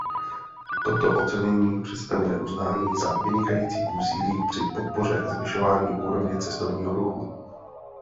Toto ocenění představuje uznání za vynikající úsilí při podpoře a zvyšování úrovně cestovního ruchu.